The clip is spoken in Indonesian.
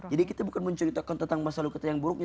jadi kita bukan menceritakan tentang masa lalu kita yang buruknya